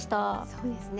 そうですね。